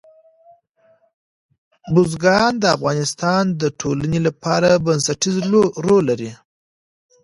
بزګان د افغانستان د ټولنې لپاره بنسټيز رول لري.